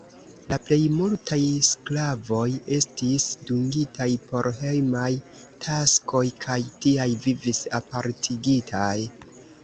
La plej multaj sklavoj estis dungitaj por hejmaj taskoj kaj tial vivis apartigitaj.